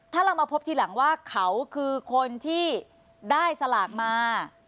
ถ้าเรามาพบทีหลังว่าเขาคือคนที่ได้สลากมา